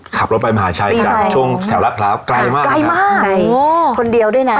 ขับรถไปมหาชัยกับช่วงแถวละพร้าวใกล้มากใกล้มากใกล้คนเดียวด้วยน่ะ